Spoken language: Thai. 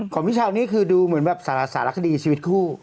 ของพี่เช้านี่คือดูเหมือนแบบสารคดีชีวิตคู่